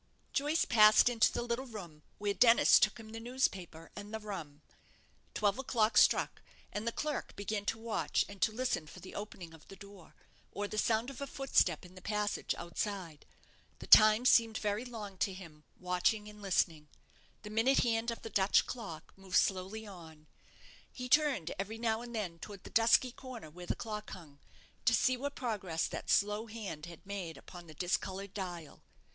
Joyce passed into the little room, where Dennis took him the newspaper and the rum. Twelve o'clock struck, and the clerk began to watch and to listen for the opening of the door, or the sound of a footstep in the passage outside. The time seemed very long to him, watching and listening. The minute hand of the Dutch clock moved slowly on. He turned every now and then towards the dusky corner where the clock hung, to see what progress that slow hand had made upon the discoloured dial.